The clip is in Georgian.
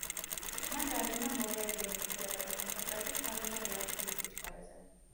მან დაადგინა მორეაგირე ნივთიერებათა კონცენტრაციის გავლენა რეაქციის სიჩქარეზე.